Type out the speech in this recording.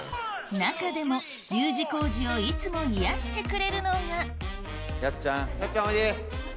中でもＵ字工事をいつも癒やしてくれるのがやっちゃんおいで。